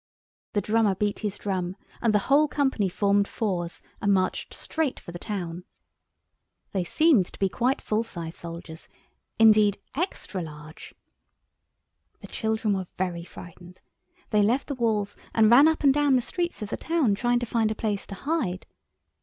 The drummer beat his drum and the whole company formed fours and marched straight for the town. They seemed to be quite full size soldiers—indeed, extra large. The children were very frightened. They left the walls and ran up and down the streets of the town trying to find a place to hide.